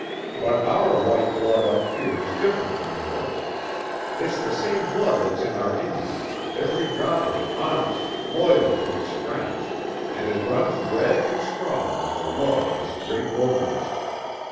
But our white blood up here is different from yours. It's the same blood that's in our Indians, every drop of it honest, loyal to its friends, and it runs red and strong with the love of this great wilderness.